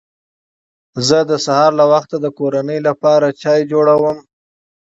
زه د سهار له وخته د کورنۍ لپاره چای جوړوم